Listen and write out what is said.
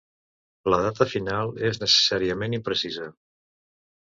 La data final és necessàriament imprecisa.